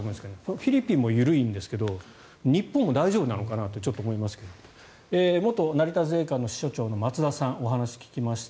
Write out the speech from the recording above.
フィリピンも緩いんですけど日本も大丈夫なのかなとちょっと思いますけど元成田税関の支署長の松田さんにお話を伺いました。